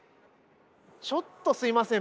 ちょっとすいません